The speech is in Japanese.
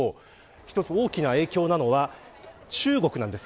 一つ大きな影響なのは中国です。